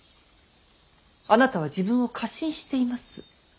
あなたは自分を過信しています。